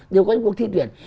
đều có những cuộc thi tuyển